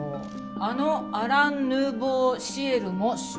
「あのアラン・ヌーボー・シエルも出店！！」